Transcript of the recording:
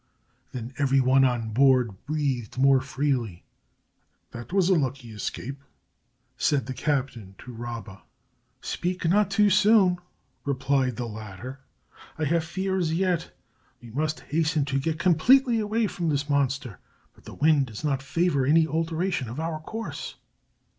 Then everyone on board breathed more freely. "That was a lucky escape," said the captain to Rabba. "Speak not too soon," replied the latter. "I have fears yet. We must hasten to get completely away from this monster, but the wind does not favor any alteration of our course."